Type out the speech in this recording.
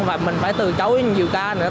và mình phải từ chối nhiều ca nữa